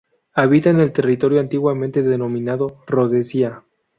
Habita en el territorio antiguamente denominado Rodesia.